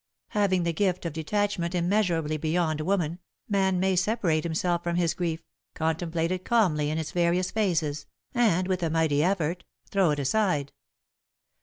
Having the gift of detachment immeasurably beyond woman, man may separate himself from his grief, contemplate it calmly in its various phases, and, with a mighty effort, throw it aside.